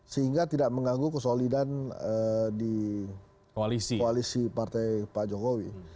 sehingga tidak mengganggu kesolidan di koalisi partai pak jokowi